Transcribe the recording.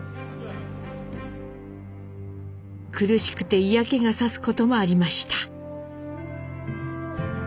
苦しくて嫌気がさすこともありました。